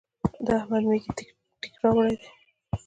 د احمد مېږي تېک راوړی دی.